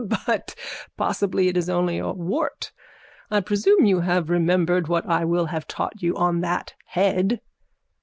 _ But possibly it is only a wart. I presume you shall have remembered what I will have taught you on that head?